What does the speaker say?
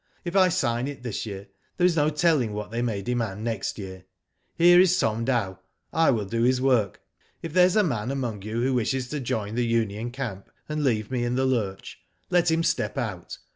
If I sign it this year there is no telling what they may demand next year. Here is Tom Dow. I will do his work. If there is a man among you who wishes to join the union camp, and leave me in the lurch, let him step out.